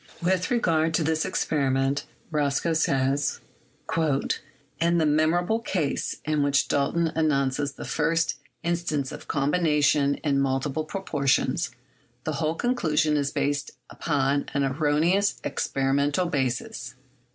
With regard to this experiment Roscoe says: "In the memorable case in which Dalton announces the first in ATOMIC THEORY— WORK OF DAVY 181 stance of combination in multiple proportions the whole conclusion is based upon an erroneous experimental ba sis.